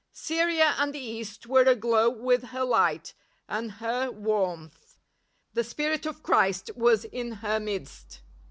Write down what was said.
Syria and the East were aglow with her light and her ■vv='annth ; the spirit of Christ was in her midst.